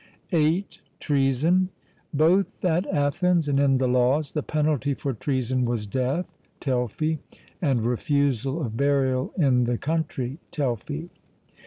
(8) Treason. Both at Athens and in the Laws the penalty for treason was death (Telfy), and refusal of burial in the country (Telfy).